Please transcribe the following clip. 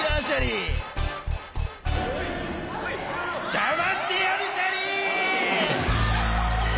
じゃましてやるシャリ！